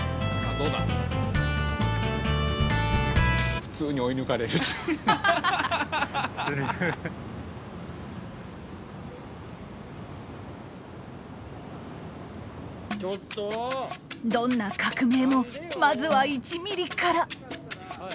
どんな革命もまずは１ミリから。